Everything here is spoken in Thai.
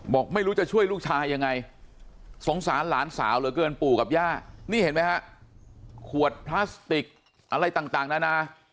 บอกไม่รู้จะช่วยลูกชายยังไงสงสารหลานสาวเหลือเกินปู่กับย่านี่เห็นไหมฮะขวดพลาสติกอะไรต่างนานา